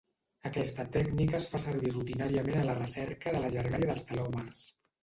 Aquesta tècnica es fa servir rutinàriament a la recerca de la llargària dels telòmers.